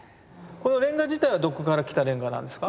このレンガ自体はどこから来たレンガなんですか？